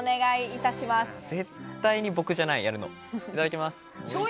いただきます。